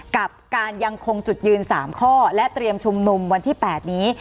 กับการยังคงจุดยืน๓ข้อและเตรียมชุมนุมวันที่๘นี้